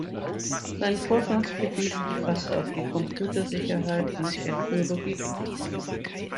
Sein Forschungsgebiet umfasst auch die Computersicherheit und Technologie-Richtlinien.